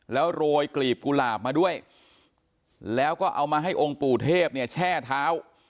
แล้วโรยกลีบกุหลาบมาด้วยแล้วก็เอามาให้องค์ปู่เทพเนี่ยแช่เท้า